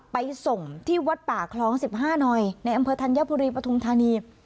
ไปส่งที่วัดป่าคล้อง๑๕หน่อยในอำเภอธัญบุรีปฐุมธานี